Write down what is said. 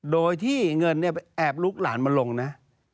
โดยที่เงินเนี่ยแอบลุกหลานมาลงนะ